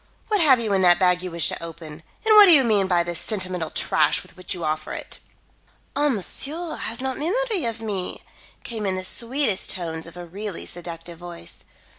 What have you in that bag you wish to open; and what do you mean by the sentimental trash with which you offer it?" "Ah, monsieur has not memory of me," came in the sweetest tones of a really seductive voice.